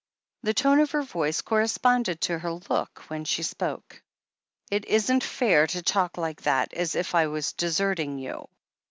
The tone of her voice corresponded to her look when she spoke. "It isn't fair to talk like that — ^as if I was deserting you.